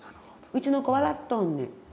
うちの子笑っとんねん。